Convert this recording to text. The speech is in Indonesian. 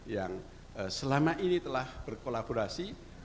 yang selama ini telah berkolaborasi